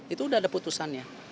itu sudah ada putusannya